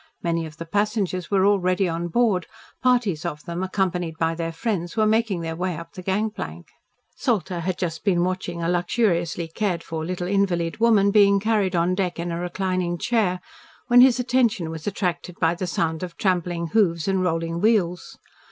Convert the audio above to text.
Many of the passengers were already on board, parties of them accompanied by their friends were making their way up the gangplank. Salter had just been watching a luxuriously cared for little invalid woman being carried on deck in a reclining chair, when his attention was attracted by the sound of trampling hoofs and rolling wheels.